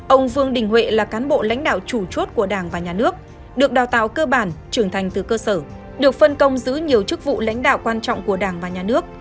ông vương đình huệ là cán bộ lãnh đạo chủ chốt của đảng và nhà nước được đào tạo cơ bản trưởng thành từ cơ sở được phân công giữ nhiều chức vụ lãnh đạo quan trọng của đảng và nhà nước